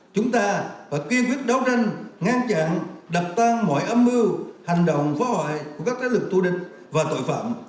chúng ta và quyên quyết đấu tranh ngăn chặn đập tăng mọi âm mưu hành động phá hoại của các tác lực tu địch và tội phạm